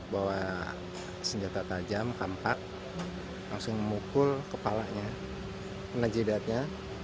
bawa senjata tajam kampak langsung memukul kepalanya najidatnya